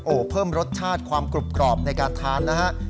โอ้โหเพิ่มรสชาติความกรุบกรอบในการทานนะฮะ